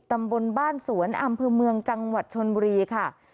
ตำบลบ้านสวนอำเภอเมืองจังหวัดชนบุรีค่ะ